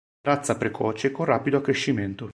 Razza precoce con rapido accrescimento.